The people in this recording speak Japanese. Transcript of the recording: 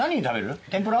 天ぷら？